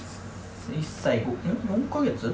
１歳４か月？